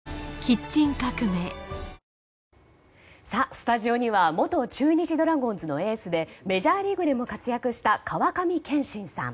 スタジオには元中日ドラゴンズのエースでメジャーリーグでも活躍した川上憲伸さん。